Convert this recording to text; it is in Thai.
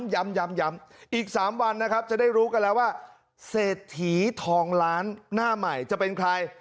ย้ำอีก๓วันนะครับจะได้รู้กันแล้วว่าเศรษฐีทองล้านหน้าใหม่จะเป็นใคร